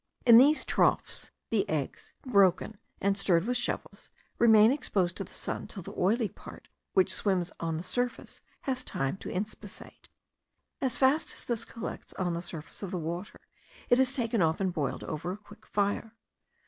In these troughs the eggs, broken and stirred with shovels, remain exposed to the sun till the oily part, which swims on the surface, has time to inspissate. As fast as this collects on the surface of the water, it is taken off and boiled over a quick fire.